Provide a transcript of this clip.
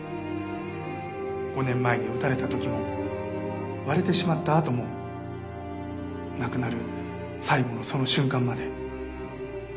５年前に撃たれた時も割れてしまったあとも亡くなる最期のその瞬間まで。